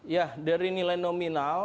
ya dari nilai nominal